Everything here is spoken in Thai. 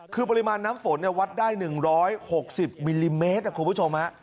คือปริมาณน้ำฝนเนี่ยวัดได้หนึ่งร้อยหกสิบมิลลิเมตรครับคุณผู้ชมฮะ